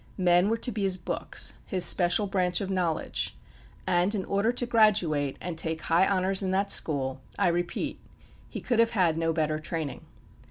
Men were to be his books, his special branch of knowledge; and in order to graduate and take high honours in that school, I repeat, he could have had no better training.